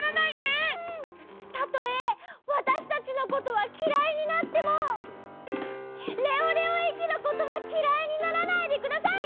たとえわたしたちのことはきらいになってもレオレオ駅のことはきらいにならないでください！